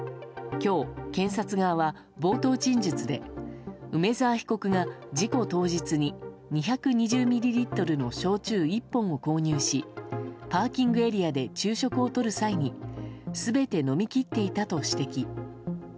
今日、検察側は冒頭陳述で梅沢被告が事故当日に２２０ミリリットルの焼酎１本を購入しパーキングエリアで昼食をとる際に全て飲み切っていたと指摘。